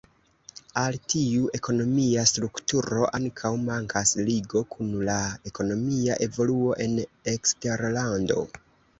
Al tiu ekonomia strukturo ankaŭ mankas ligo kun la ekonomia evoluo en eksterlando.